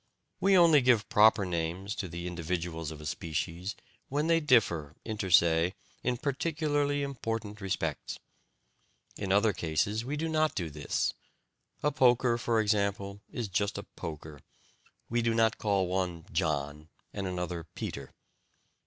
We only give proper names to the individuals of a species when they differ inter se in practically important respects. In other cases we do not do this. A poker, for instance, is just a poker; we do not call one "John" and another "Peter."